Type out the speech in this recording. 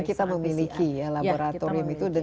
kita memiliki ya laboratorium itu